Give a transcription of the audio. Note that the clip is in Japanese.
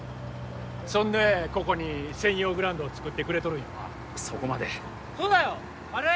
そんでここに専用グラウンドをつくってくれとるんやわそこまでそうだよ悪い？